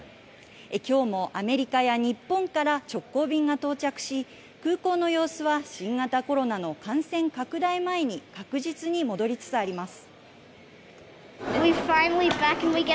きょうもアメリカや日本から直行便が到着し、空港の様子は新型コロナの感染拡大前に確実に戻りつつあります。